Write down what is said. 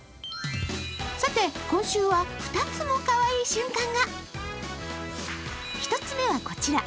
さて、今週は２つもかわいい瞬間が１つ目は、こちら。